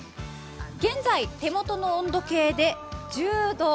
現在、手元の温度計で１０度。